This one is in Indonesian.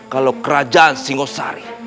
kalau kerajaan singosari